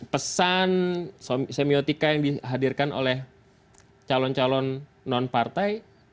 pesan semiotika yang dihadirkan oleh pak jokowi